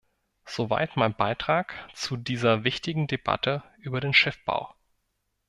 Soweit mein Beitrag zu dieser wichtigen Debatte über den Schiffbau.